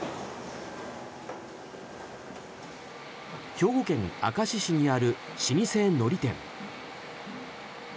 兵庫県明石市にある老舗のり店。